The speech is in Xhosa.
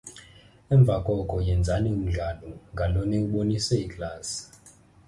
Emva koko yenzani umdlalo ngalo niwubonise iklasi.